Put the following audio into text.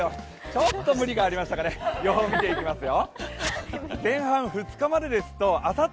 ちょっと無理がありましたかね、予報見ていきますよ。